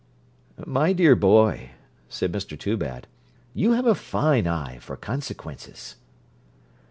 'My dear boy,' said Mr Toobad, 'you have a fine eye for consequences.'